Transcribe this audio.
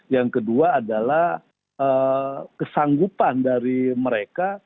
yang kedua adalah kesanggupan dari mereka